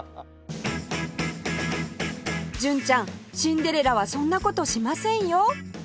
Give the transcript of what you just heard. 純ちゃんシンデレラはそんな事しませんよ